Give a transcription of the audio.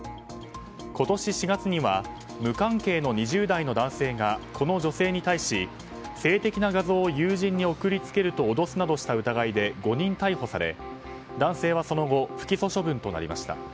今年４月には無関係の２０代の男性がこの女性に対し性的な画像を友人に送り付けると脅すなどとした疑いで誤認逮捕され、その後男性は不起訴処分となりました。